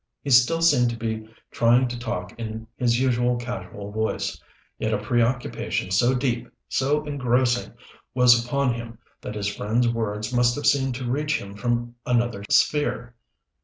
He still seemed to be trying to talk in his usual casual voice; yet a preoccupation so deep, so engrossing was upon him that his friend's words must have seemed to reach him from another sphere.